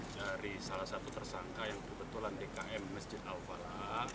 dari salah satu tersangka yang kebetulan dkm masjid al falah